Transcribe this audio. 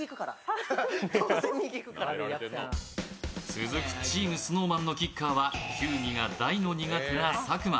続くチームＳｎｏｗＭａｎのキッカーは球技が大の苦手な佐久間。